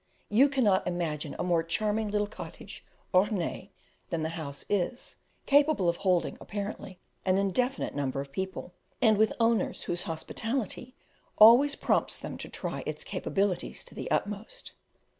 You cannot imagine a more charming little cottage ornee than the house is, capable of holding, apparently, an indefinite number of people, and with owners whose hospitality always prompts them to try its capabilities to the utmost.